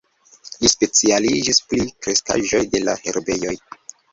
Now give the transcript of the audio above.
Li specialiĝis pri kreskaĵoj de la herbejoj.